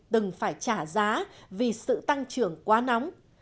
từng phải trả giá vì sự tăng trưởng quá nóng